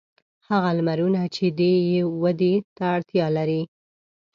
هغه لمرونه چې دی یې ودې ته اړتیا لري.